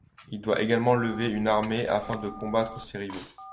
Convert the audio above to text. Il doit également lever une armée afin de combattre ses rivaux.